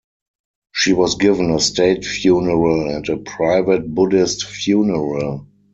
She was given a state funeral and a private Buddhist funeral.